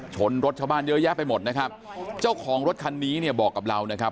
ชนรถชาวบ้านเยอะแยะไปหมดนะครับเจ้าของรถคันนี้เนี่ยบอกกับเรานะครับ